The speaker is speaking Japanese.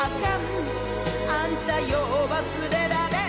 「あんたよう忘れられん」